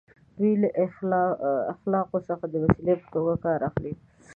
دوی له اخلاقو څخه د وسیلې په توګه کار اخلي.